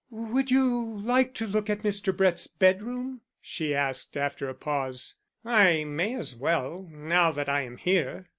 "Would you like to look at Mr. Brett's bedroom?" she asked after a pause. "I may as well, now that I am here."